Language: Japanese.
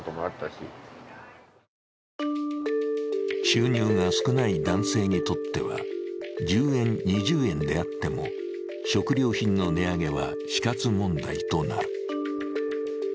収入が少ない男性にとっては、１０円、２０円であっても食料品の値上げは死活問題となる。